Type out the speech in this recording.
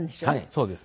そうですね。